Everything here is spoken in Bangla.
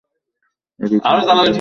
এদিকে আসো, প্লিজ।